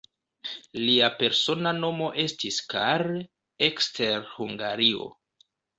Lia persona nomo estis "Carl" ekster Hungario.